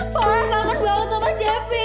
poha kangen banget sama cepi